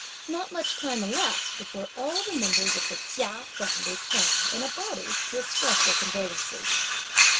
Not much time elapsed before all the members of the Chia family came, in a body, to express their condolences.